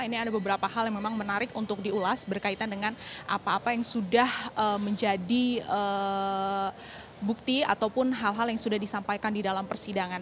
ini ada beberapa hal yang memang menarik untuk diulas berkaitan dengan apa apa yang sudah menjadi bukti ataupun hal hal yang sudah disampaikan di dalam persidangan